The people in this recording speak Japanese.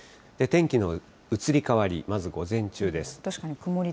天気の移り変わり、まず午前中です。